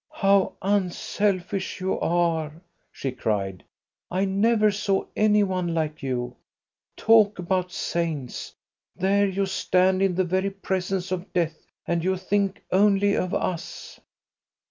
"How unselfish you are!" she cried. "I never saw any one like you. Talk about saints! There you stand in the very presence of death, and you think only of us."